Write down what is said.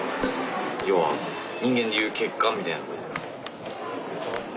要は人間で言う血管みたいなこと。